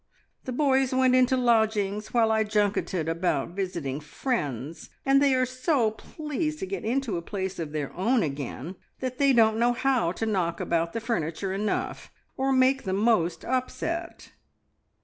The boys went into lodgings, while I junketed about visiting friends, and they are so pleased to get into a place of their own again, that they don't know how to knock about the furniture enough, or make the most upset!"